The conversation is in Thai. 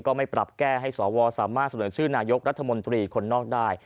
ก็ไม่ปรับแก้ให้สวสามารถเสนอชื่อนายกรัฐมนตรีคนนอกได้